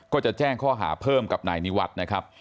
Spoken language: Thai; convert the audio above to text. ก็จะแจ้งข้อหาเพิ่มกับนายนิวัฒน์นะครับ